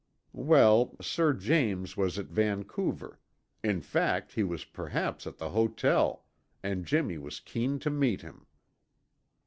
Well, Sir James was at Vancouver; in fact, he was perhaps at the hotel, and Jimmy was keen to meet him.